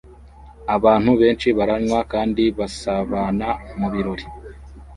Abantu benshi baranywa kandi basabana mubirori